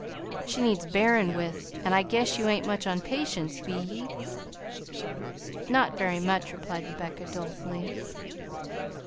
She needs bearin' with; an' I guess you ain't much on patience, be ye?" "Not very much," replied Rebecca dolefully.